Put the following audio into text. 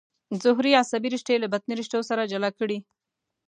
ظهري عصبي رشتې له بطني رشتو سره جلا کړئ.